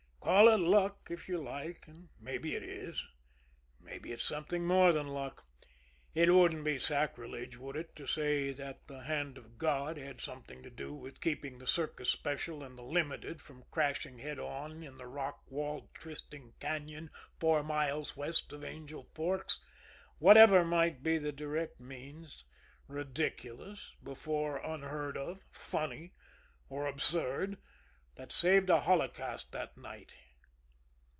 Call it luck, if you like maybe it is maybe it's something more than luck. It wouldn't be sacrilege, would it, to say that the hand of God had something to do with keeping the Circus Special and the Limited from crashing head on in the rock walled, twisting cañon, four miles west of Angel Forks, whatever might be the direct means, ridiculous, before unheard of, funny, or absurd, that saved a holocaust that night?